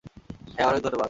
হ্যাঁ, অনেক ধন্যবাদ।